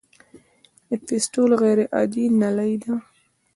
د فیستول غیر عادي نلۍ ده.